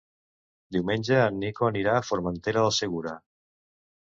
Diumenge en Nico anirà a Formentera del Segura.